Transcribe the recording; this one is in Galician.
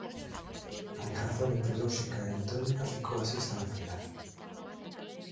A ligazón entre lóxica e electrónica ficou así establecida.